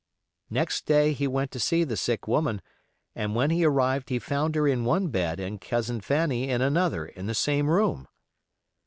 Next day he went to see the sick woman, and when he arrived he found her in one bed and Cousin Fanny in another, in the same room.